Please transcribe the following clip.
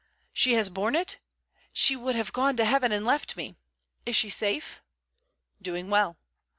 She has borne it! She would have gone to heaven and left me! Is she safe?' 'Doing well.'